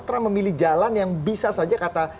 trump memilih jalan yang bisa saja kata